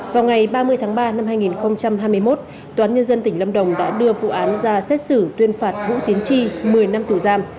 vào ngày ba mươi tháng ba năm hai nghìn hai mươi một toán nhân dân tỉnh lâm đồng đã đưa vụ án ra xét xử tuyên phạt vũ tiến tri một mươi năm tù giam